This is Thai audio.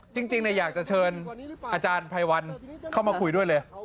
จริงอยากจะเชิญอาจารย์ไพรวัลเข้ามาคุยด้วยเลย